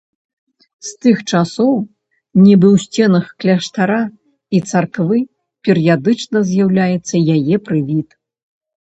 З тых часоў нібы ў сценах кляштара і царквы перыядычна з'яўляецца яе прывід.